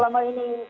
selama ini selama ini